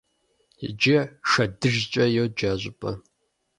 Иджы «ШэдыжькӀэ» йоджэ а щӏыпӏэм.